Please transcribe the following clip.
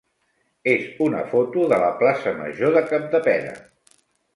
és una foto de la plaça major de Capdepera.